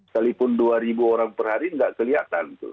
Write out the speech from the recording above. sekalipun dua ribu orang per hari nggak kelihatan